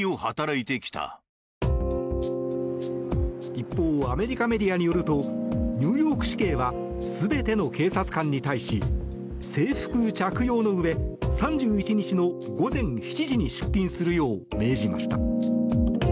一方アメリカメディアによるとニューヨーク市警は全ての警察官に対し制服着用のうえ３１日の午前７時に出勤するよう命じました。